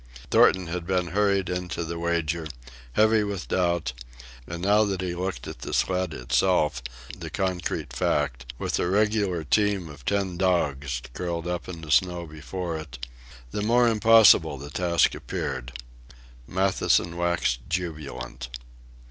Thornton had been hurried into the wager, heavy with doubt; and now that he looked at the sled itself, the concrete fact, with the regular team of ten dogs curled up in the snow before it, the more impossible the task appeared. Matthewson waxed jubilant.